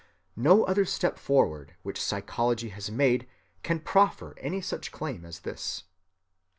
No other step forward which psychology has made can proffer any such claim as this.